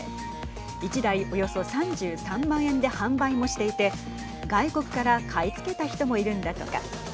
１台およそ３３万円で販売もしていて外国から買い付けた人もいるんだとか。